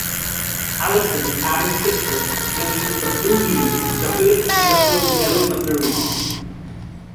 Allison, Adam's sister, mentions the Blue Meanies, the villains in the film "Yellow Submarine".